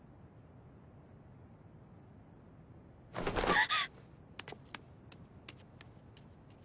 あっ！